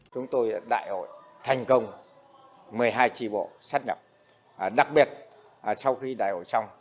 chúng tôi đại hội thành công một mươi hai tri bộ sát nhập đặc biệt sau khi đại hội xong